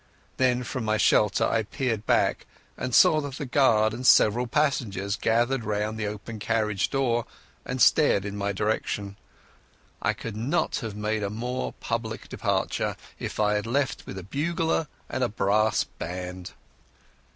Then from my shelter I peered back, and saw the guard and several passengers gathered round the open carriage door and staring in my direction. I could not have made a more public departure if I had left with a bugler and a brass band.